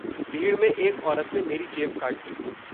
भीड़ में एक औरत ने मेरी जेब काट ली।